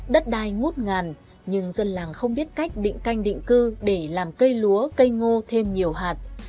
đất đai ngút ngàn nhưng dân làng không biết cách định canh định cư để làm cây lúa cây ngô thêm nhiều hạt